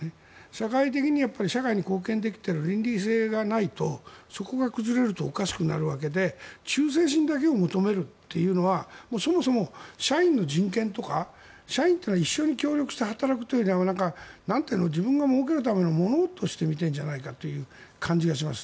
社会的には社会に貢献できている倫理性がないとそこが崩れるとおかしくなるわけで忠誠心だけを求めるのはそもそも社員の人権とか社員というのは一緒に協力して働くというより自分がもうけるためのものとして見ているんじゃないかという感じがします。